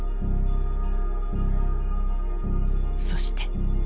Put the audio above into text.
そして。